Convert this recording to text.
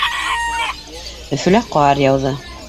Өфөлә ҡар яуҙы.